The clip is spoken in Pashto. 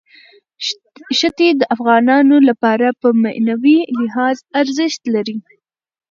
ښتې د افغانانو لپاره په معنوي لحاظ ارزښت لري.